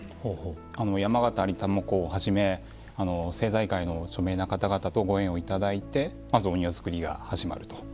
山縣有朋公をはじめ政財界の著名な方々とご縁をいただいてまずお庭造りが始まると。